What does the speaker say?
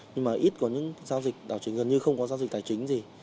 nhưng mà ít có những giao dịch đảo chính gần như không có giao dịch tài chính gì